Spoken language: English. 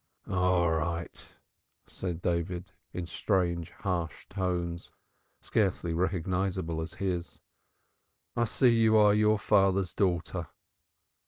"All right!" said David in strange harsh tones, scarcely recognizable as his. "I see you are your father's daughter."